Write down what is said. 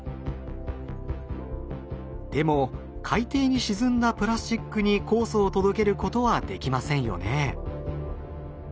でも海底に沈んだプラスチックに酵素を届けることはできませんよね。